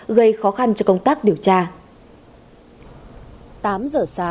gây khó khăn cho công tác điều tra